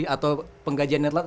atau penggajiannya telat